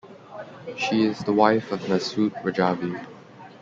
She is the wife of Massoud Rajavi.